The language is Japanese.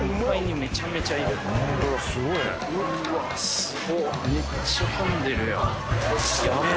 めっちゃ混んでるよ